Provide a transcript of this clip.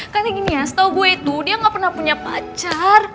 karena gini ya setau gue itu dia gak pernah punya pacar